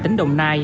tỉnh đồng nai